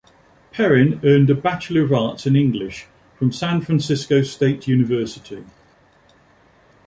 Perrin earned a Bachelor of Arts in English from San Francisco State University.